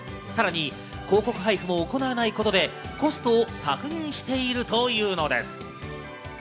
さらに広告配布も行わないことで、コストを削減しているというのです。